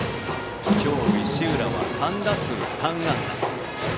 今日、石浦は３打数３安打。